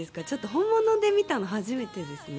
本物見たの初めてですね。